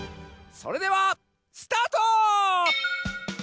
それではスタート！